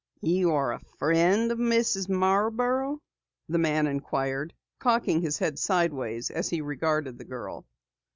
"You are a friend of Mrs. Marborough?" the man inquired, cocking his head sideways as he regarded the girl.